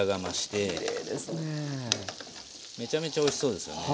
めちゃめちゃおいしそうですよね。